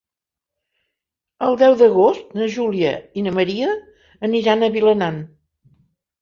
El deu d'agost na Júlia i na Maria aniran a Vilanant.